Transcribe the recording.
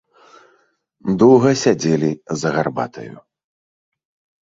Доўга сядзелі за гарбатаю.